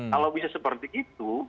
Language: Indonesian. kalau bisa seperti itu